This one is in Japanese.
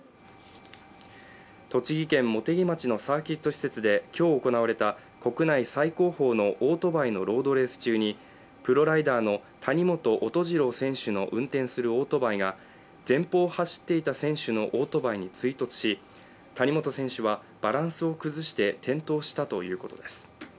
栃木県茂木町のサーキット施設で今日行われた国内最高峰のオートバイのロードレース中にプロライダーの谷本音虹郎選手の運転するオートバイが前方を走っていた選手のオートバイに追突し、谷本選手はバランスを崩して転倒したということです。